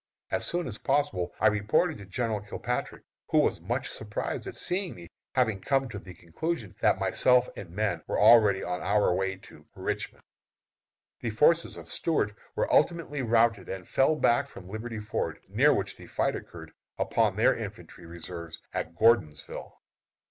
As soon as possible I reported to General Kilpatrick, who was much surprised at seeing me, having come to the conclusion that myself and men were already on our way to "Richmond!" The forces of Stuart were ultimately routed and fell back from Liberty Ford, near which the fight occurred, upon their infantry reserves at Gordonsville.